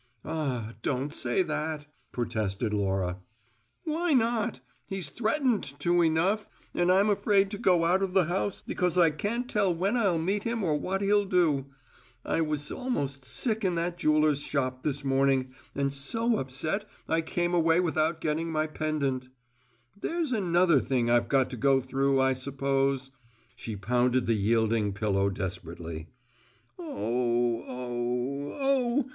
"Ah, don't say that," protested Laura. "Why not? He's threatened to enough. And I'm afraid to go out of the house because I can't tell when I'll meet him or what he'll do. I was almost sick in that jeweller's shop, this morning, and so upset I came away without getting my pendant. There's another thing I've got to go through, I suppose!" She pounded the yielding pillow desperately. "Oh, oh, oh!